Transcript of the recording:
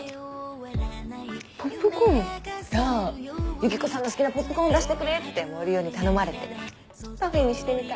ユキコさんの好きなポップコーンを出してくれって森生に頼まれてパフェにしてみた。